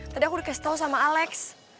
tadi aku udah kasih tau sama alex